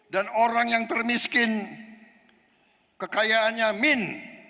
dan orang yang termiskin kekayaannya min